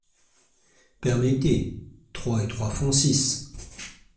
Permettez… trois et trois font six.